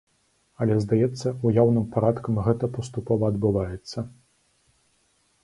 Але, здаецца, уяўным парадкам гэта паступова адбываецца.